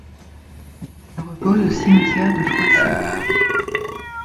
Elle repose au cimetière de Froissy.